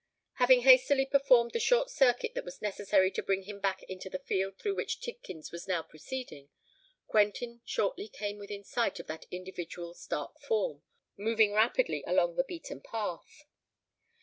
Having hastily performed the short circuit that was necessary to bring him back into the field through which Tidkins was now proceeding, Quentin shortly came within sight of that individual's dark form, moving rapidly along the beaten path.